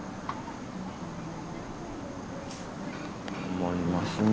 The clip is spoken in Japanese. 思いますね。